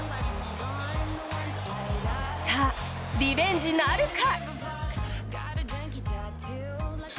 さあ、リベンジなるか。